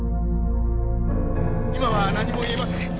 今は何も言えません。